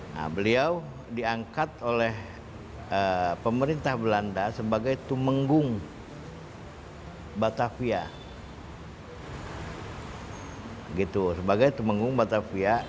nah beliau diangkat oleh pemerintah belanda sebagai tumenggung batavia